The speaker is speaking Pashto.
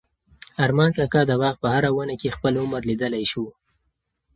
ارمان کاکا د باغ په هره ونه کې خپل عمر لیدلی شو.